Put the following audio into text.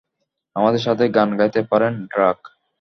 আমাদের সাথে গান গাইতে পারেন, ড্রাক!